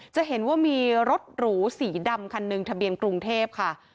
จะเห็นว่ามีรถหรูสีดำคันหนึ่งทะเบียนกรุงเทพค่ะ